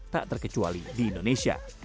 tak terkecuali di indonesia